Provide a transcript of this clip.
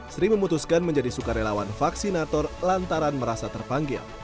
sri memutuskan menjadi sukarelawan vaksinator lantaran merasa terpanggil